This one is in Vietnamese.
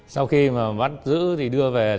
sau khi mà bắt giữ thì đưa về